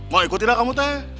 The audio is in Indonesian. mau ikut tidak kamu teh